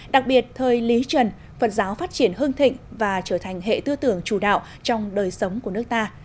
đặc biệt thời lý trần phật giáo phát triển hương thịnh và trở thành hệ tư tưởng chủ đạo trong đời sống của nước ta